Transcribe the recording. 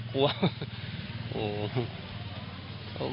เออง่ะ